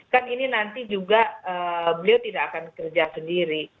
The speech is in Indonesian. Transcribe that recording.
kan ini nanti juga beliau tidak akan kerja sendiri